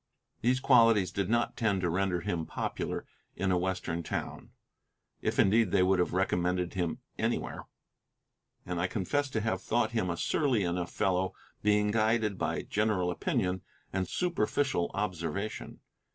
These qualities did not tend to render him popular in a Western town, if indeed they would have recommended him anywhere, and I confess to have thought him a surly enough fellow, being guided by general opinion and superficial observation.